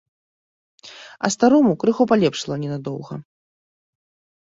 А старому крыху палепшала не надоўга.